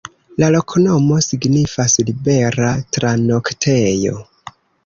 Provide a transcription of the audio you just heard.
La loknomo signifas: libera-tranoktejo.